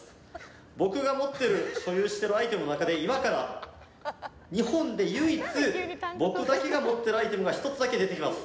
僕が持っている所有しているアイテムの中で今から日本で唯一僕だけが持っているアイテムが１つだけ出てきます。